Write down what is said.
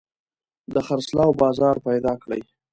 د خرڅلاو بازار پيدا کړي.